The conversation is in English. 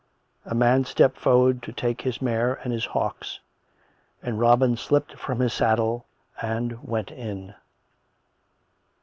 A man stepped forward to take his mare and his hawks; and Robin slipped from his saddle and went in.